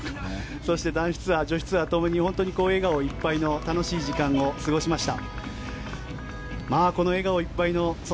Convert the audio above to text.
そして、男子ツアー女子ツアーともに本当に笑顔いっぱいの楽しい時間を過ごしました。